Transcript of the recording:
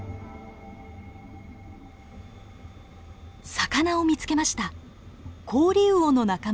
魚を見つけました。